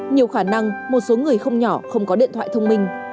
nhiều khả năng một số người không nhỏ không có điện thoại thông minh